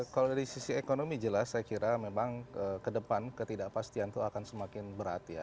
kalau dari sisi ekonomi jelas saya kira memang ke depan ketidakpastian itu akan semakin berat ya